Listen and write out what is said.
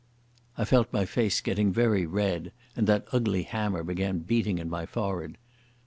I felt my face getting very red, and that ugly hammer began beating in my forehead.